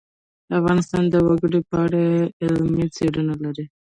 افغانستان د وګړي په اړه علمي څېړنې لري.